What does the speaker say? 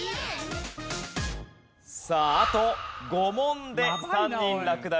さああと５問で３人落第です。